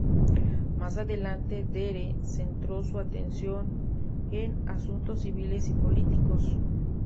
Más adelante, Deere centró su atención en asuntos civiles y políticos.